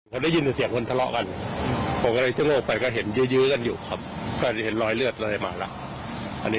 จุลมูลกันตรงเสาร์ก่อน